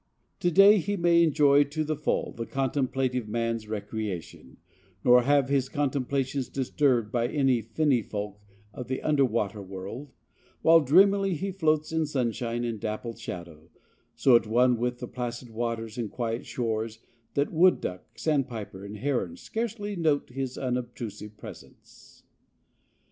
To day he may enjoy to the full the contemplative man's recreation, nor have his contemplations disturbed by any finny folk of the under water world, while dreamily he floats in sunshine and dappled shadow, so at one with the placid waters and quiet shores that wood duck, sandpiper, and heron scarcely note his unobtrusive presence.